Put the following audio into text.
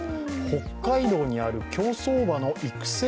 北海道にある競走馬の育成